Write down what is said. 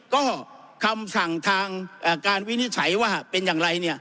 ก็คำสั่งทางการวินิจฉัยว่าเป็นอย่างไร